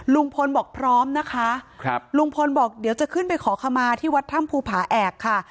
ลุงพลบอกพร้อมนะคะครับลุงพลบอกเดี๋ยวจะขึ้นไปขอขมาที่วัดถ้ำภูผาแอกค่ะ